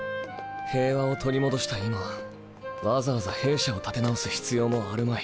平和を取り戻した今わざわざ兵舎を建て直す必要もあるまい。